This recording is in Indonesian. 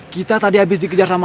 kita tadi habis dikejar sama